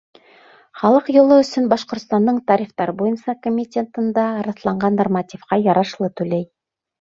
Халыҡ йылы өсөн Башҡортостандың тарифтар буйынса комитетында раҫланған нормативҡа ярашлы түләй.